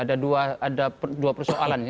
ada dua persoalan